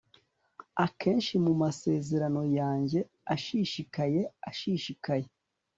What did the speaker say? akenshi mumasezerano yanjye, ashishikaye, ashishikaye